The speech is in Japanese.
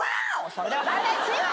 それでは第１位は！